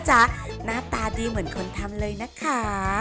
หน้าตาดีเหมือนคนทำเลยนะคะ